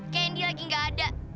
candy lagi gak ada